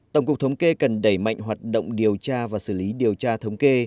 tổng cục thống kê cần đẩy mạnh hoạt động điều tra và xử lý điều tra thống kê